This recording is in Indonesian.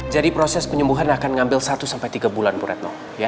jadi proses penyembuhan akan ngambil satu tiga bulan burep